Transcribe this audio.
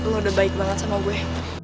lu udah baik banget sama gue